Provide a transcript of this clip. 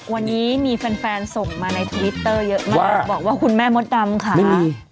วันนี้มีแฟนส่งมาในทวิตเตอร์เยอะมากบอกว่าคุณแม่มดดำค่ะ